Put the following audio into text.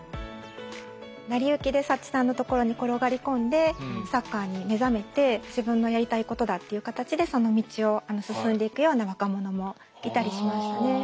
成り行きでサチさんのところに転がり込んでサッカーに目覚めて自分のやりたいことだっていう形でその道を進んでいくような若者もいたりしましたね。